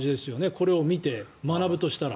これを見て、学ぶとしたら。